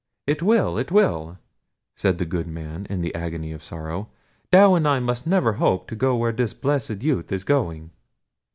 "It will! it will!" said the good man, in an agony of sorrow. "Thou and I must never hope to go where this blessed youth is going!"